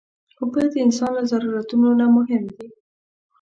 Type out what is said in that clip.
اوبه د انسان له ضرورتونو نه مهم دي.